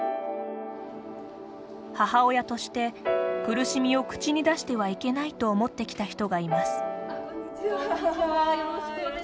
母親として苦しみを口に出してはいけないと思ってきた人がいます。